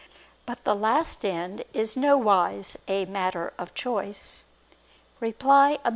But the last end is nowise a matter of choice. Reply Obj.